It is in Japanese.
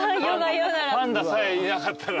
パンダさえいなかったら。